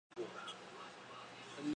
同年升任兵部尚书。